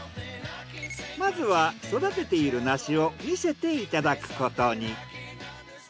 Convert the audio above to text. まずは育てている梨を見せていただくことに。